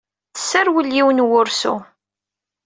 Tesserwel yiwen n wursu.